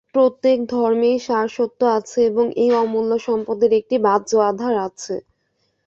প্রত্যেক ধর্মেই সার সত্য আছে এবং এই অমূল্য সম্পদের একটি বাহ্য আধার আছে।